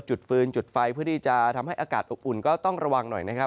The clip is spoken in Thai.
ฟืนจุดไฟเพื่อที่จะทำให้อากาศอบอุ่นก็ต้องระวังหน่อยนะครับ